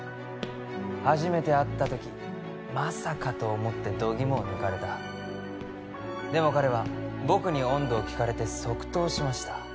初めて会った時まさかと思って度肝を抜かれたでも彼は僕に温度を聞かれて即答しました